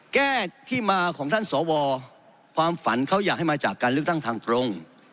แก้ที่มาของท่านสวความฝันเขาอยากให้มาจากการเลือกตั้งทางตรง